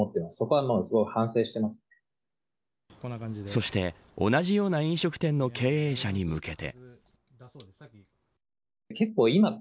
そして同じような飲食店の経営者に向けて。